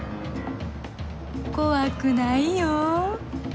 怖くないよ